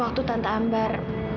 waktu tante ambar